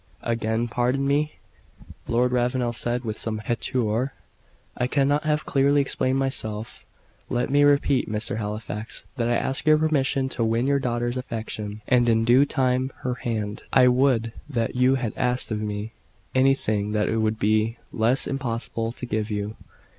"Again pardon me," Lord Ravenel said with some hauteur; "I cannot have clearly explained myself. Let me repeat, Mr. Halifax, that I ask your permission to win your daughter's affection, and, in due time, her hand." "I would that you had asked of me anything that it could be less impossible to give you."